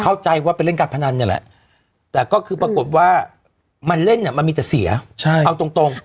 เข้าใจว่าไปเล่นการพนันเนี่ยแหละแต่ก็คือปรากฏว่ามันเล่นเนี่ยมันมีแต่เสียเอาตรง